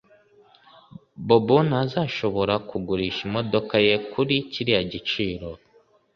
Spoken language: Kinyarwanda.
Bobo ntazashobora kugurisha imodoka ye kuri kiriya giciro